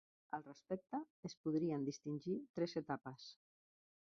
Al respecte, es podrien distingir tres etapes.